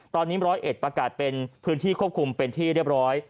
ตอนนี้๑๐๑ประกาศเป็นพื้นที่ควบคุมเป็นที่เรียบร้อย